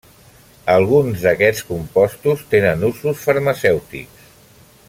Alguns d'aquests compostos tenen usos farmacèutics.